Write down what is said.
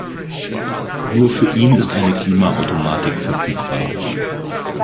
Nur für ihn ist eine Klimaautomatik verfügbar.